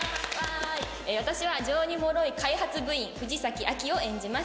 私は情にもろい開発部員・藤崎亜季を演じます。